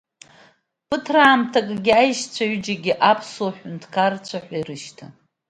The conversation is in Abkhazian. Ԥыҭраамҭакгьы аишьцәа аҩыџьагьы аԥсуа ҳәынҭқарцәа ҳәа ирышьҭан.